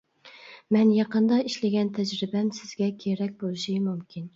مەن يېقىندا ئىشلىگەن تەجرىبەم سىزگە كېرەك بولۇشى مۇمكىن.